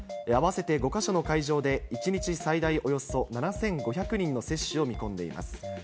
合わせて５か所の会場で、１日最大およそ７５００人の接種を見込んでいます。